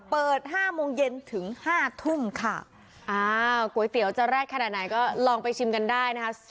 เปิดห้าโมงเย็นถึงห้าทุ่มค่ะอ้าวก๋วยเตี๋ยวจะแรดขนาดไหนก็ลองไปชิมกันได้นะคะ